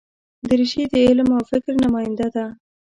دریشي د علم او فکر نماینده ده.